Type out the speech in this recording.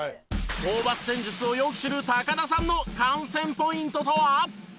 ホーバス戦術をよく知る田さんの観戦ポイントとは？